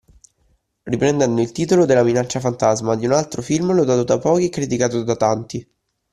Riprendendo il titolo dalla minaccia fantasma di un altro film lodato da pochi e criticato da tanti.